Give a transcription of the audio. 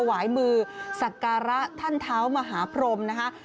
วายมือสักการะท่านเท้ามหาพรมนะคะ